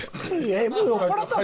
えっもう酔っ払ったの？